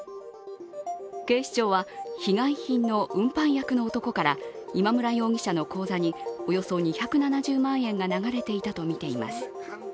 警視庁は、被害品の運搬役の男から今村容疑者の口座におよそ２７０万円が流れていたとみています。